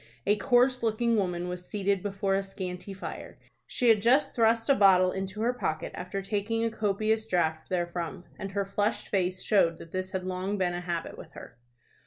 A coarse looking woman was seated before a scanty fire. She had just thrust a bottle into her pocket after taking a copious draught therefrom, and her flushed face showed that this had long been a habit with her.